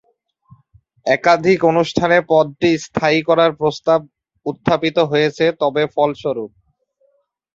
একাধিক অনুষ্ঠানে পদটি স্থায়ী করার প্রস্তাব উত্থাপিত হয়েছে, তবে ফলস্বরূপ।